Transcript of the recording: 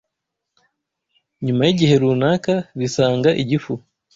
nyuma y’igihe runaka bisanga igifu